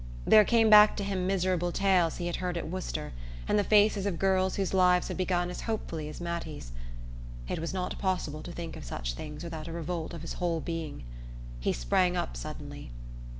There came back to him miserable tales he had heard at Worcester, and the faces of girls whose lives had begun as hopefully as Mattie's.... It was not possible to think of such things without a revolt of his whole being. He sprang up suddenly.